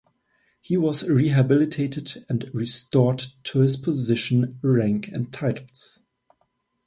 He was rehabilitated and restored to his position, rank and titles.